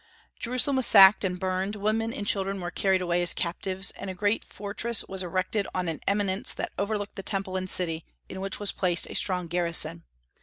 Jerusalem was sacked and burned, women and children were carried away as captives, and a great fortress was erected on an eminence that overlooked the Temple and city, in which was placed a strong garrison.